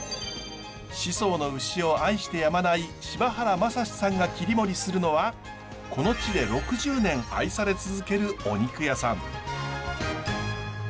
宍粟の牛を愛してやまない柴原政司さんが切り盛りするのはこの地で６０年愛され続けるお肉屋さん。